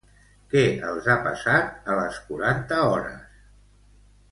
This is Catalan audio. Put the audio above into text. Què els ha passat a les Quaranta Hores?